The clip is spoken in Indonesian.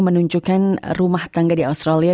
menunjukkan rumah tangga di australia